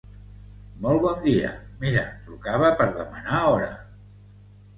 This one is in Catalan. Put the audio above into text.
Molt bon dia, mira trucava per demanar hora.